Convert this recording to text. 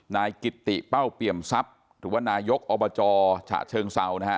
นายกิติเป้าเปี่ยมทรัพย์หรือว่านายกอบจฉะเชิงเซานะฮะ